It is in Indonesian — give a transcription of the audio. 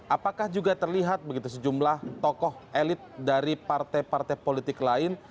apakah juga terlihat begitu sejumlah tokoh elit dari partai partai politik lain